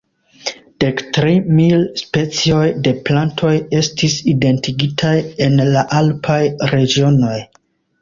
Dektri mil specioj de plantoj estis identigitaj en la alpaj regionoj.